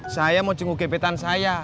saya mau jenguk gebetan saya